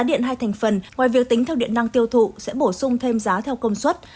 điện năng tiêu thụ sẽ bổ sung thêm giá theo công suất